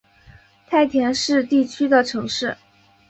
太田市地区的城市。